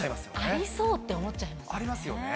ありそうって思っちゃいますありますよね。